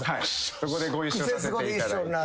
そこでご一緒させていただいて。